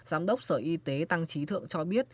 giám đốc sở y tế tăng trí thượng cho biết